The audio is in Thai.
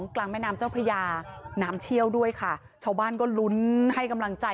กลางแม่น้ำเจ้าพระยาน้ำเชี่ยวด้วยค่ะชาวบ้านก็ลุ้นให้กำลังใจ